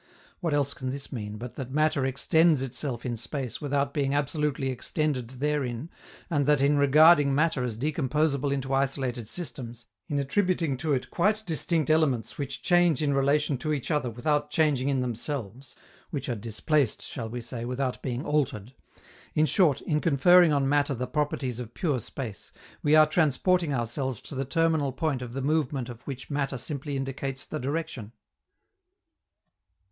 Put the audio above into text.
What else can this mean but that matter extends itself in space without being absolutely extended therein, and that in regarding matter as decomposable into isolated systems, in attributing to it quite distinct elements which change in relation to each other without changing in themselves (which are "displaced," shall we say, without being "altered"), in short, in conferring on matter the properties of pure space, we are transporting ourselves to the terminal point of the movement of which matter simply indicates the direction?